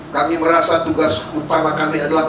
kami merasa tugas utama kami adalah